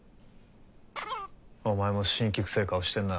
お前も辛気くせえ顔してんな。